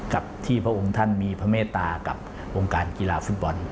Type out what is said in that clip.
กับที่พระองค์ท่านมีพระเมตตากับวงการกีฬาฟุตบอล